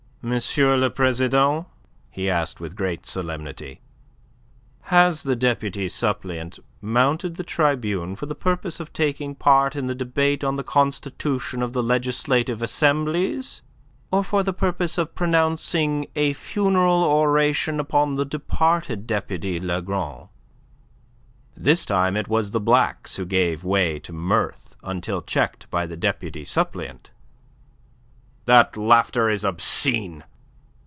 le President," he asked with great solemnity, "has the deputy suppleant mounted the tribune for the purpose of taking part in the debate on the constitution of the legislative assemblies, or for the purpose of pronouncing a funeral oration upon the departed deputy Lagron?" This time it was the Blacks who gave way to mirth, until checked by the deputy suppleant. "That laughter is obscene!"